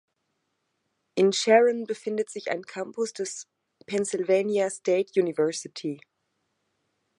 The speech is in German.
In Sharon befindet sich ein Campus des Pennsylvania State University.